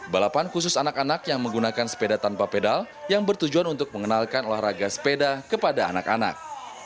balapan khusus anak anak yang menggunakan sepeda tanpa pedal yang bertujuan untuk mengenalkan olahraga sepeda kepada anak anak